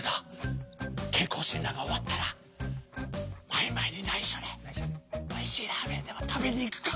けんこうしんだんがおわったらマイマイにないしょでおいしいラーメンでもたべにいくか。